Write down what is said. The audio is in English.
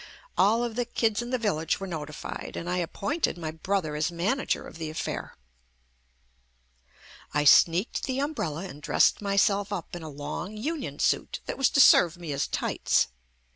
All of the kids in the village were notified, and I appointed my brother as manager of the affair. I sneaked the umbrella and dressed myself up in a long union suit that was to serve me as tights.